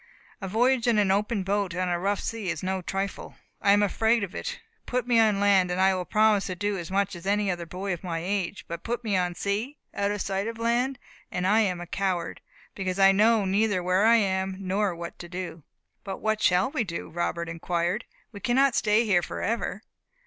A voyage in an open boat upon a rough sea is no trifle. I am afraid of it. Put me on land, and I will promise to do as much as any other boy of my age; but put me on sea, out of sight of land, and I am a coward, because I know neither where I am, nor what to do." "But what shall we do?" Robert inquired; "we cannot stay here for ever."